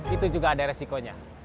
itu juga ada resikonya